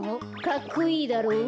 かっこいいだろう？